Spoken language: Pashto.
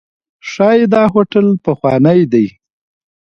ښایي دا هوټل پخوانی دی.